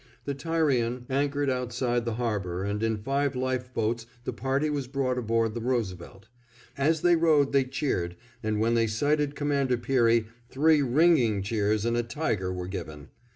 The Tyrian anchored outside the harbor and in five life boats the party was brought aboard the Roosevelt. As they rowed they cheered, and when they sighted Commander Peary three ringing cheers and a tiger were given.